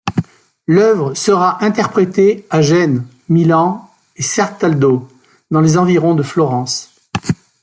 L’œuvre sera interprétée à Gênes, Milan et Certaldo dans les environs de Florence.